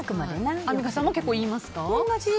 アンミカさんも言いますか？